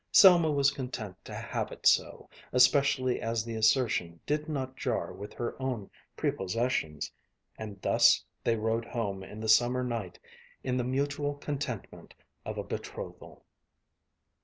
Selma was content to have it so, especially as the assertion did not jar with her own prepossessions; and thus they rode home in the summer night in the mutual contentment of a betrothal.